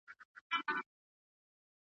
ګړندی قدم وهل د فزیکي فعالیت برخه ده.